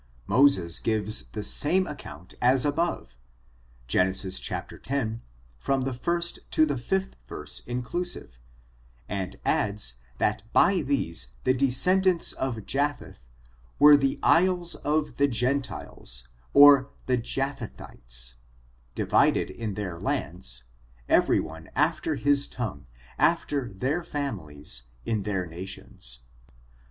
Moses gives the same account asaboFe^ Gen. X., from Uie 1st to the 5th verse inclusive, and adds, that by these the descendants of Japheth <' were the isles of the Gentiles (or JaphethUes\ divided in their lands, every one i^ter his tongue, after theii families, in their nations."